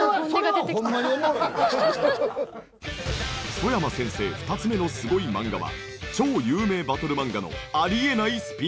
曽山先生２つ目のすごい漫画は超有名バトル漫画のありえないスピンオフ。